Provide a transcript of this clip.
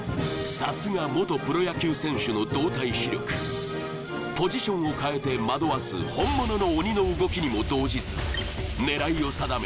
さすが元プロ野球選手の動体視力ポジションを変えて惑わす本物の鬼の動きにも動じず狙いを定め